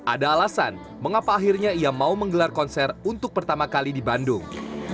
ada alasan mengapa akhirnya ia mau menggelar konser untuk pertama kali di bandung